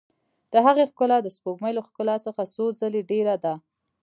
د هغې ښکلا د سپوږمۍ له ښکلا څخه څو ځلې ډېره ده.